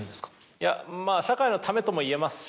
いやまぁ社会のためともいえますし。